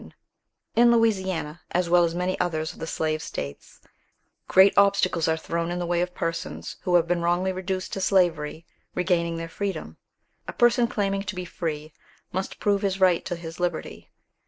In Louisiana as well as many others of the slave states, great obstacles are thrown in the way of persons who have been wrongfully reduced to slavery regaining their freedom. A person claiming to be free must prove his right to his liberty.